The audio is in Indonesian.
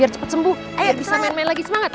biar cepet sembuh biar bisa main main lagi semangat